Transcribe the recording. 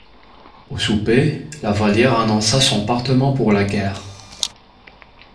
Au souper, Lavallière annonça son partement pour la guerre.